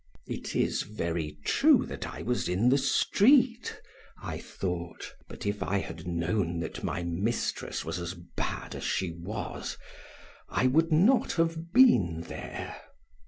"It is very true that I was in the street," I thought, "but if I had known that my mistress was as bad as she was, I would not have been there."